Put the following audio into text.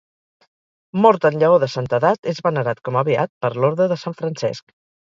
Mort en llaor de santedat, és venerat com a beat per l'Orde de Sant Francesc.